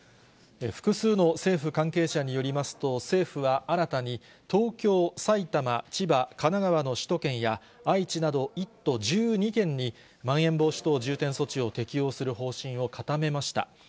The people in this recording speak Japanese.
複数の政府関係者によりますと、政府は新たに、東京、埼玉、千葉、神奈川の首都圏や、愛知など１都１２県に、まん延防止等重点措置を適用する方針を固めました。